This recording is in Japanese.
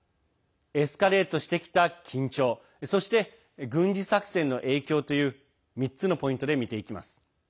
エスカレートしてきた緊張そして、軍事作戦の影響という３つのポイントで見ていきます。